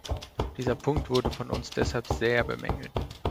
Dieser Punkt wurde von uns deshalb sehr bemängelt.